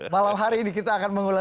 malam hari ini kita akan mengulas